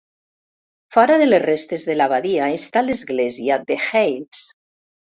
Fora de les restes de l'Abadia està l'església de Hailes.